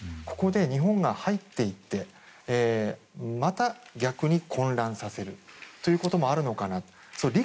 ここで日本が入っていってまた逆に混乱させるということもあるのかなと。